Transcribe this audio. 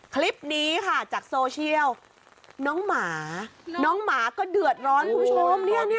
คลิปนี้ค่ะจากโซเชียลน้องหมาน้องหมาก็เดือดร้อนคุณผู้ชมเนี้ยเนี้ยเนี้ย